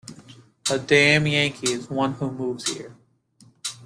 A damn Yankee is one who moves here.